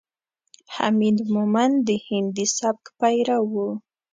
حمید مومند د هندي سبک پیرو ؤ.